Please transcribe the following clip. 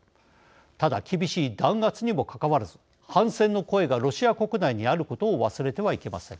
ただ、厳しい弾圧にもかかわらず反戦の声がロシア国内にあることを忘れてはいけません。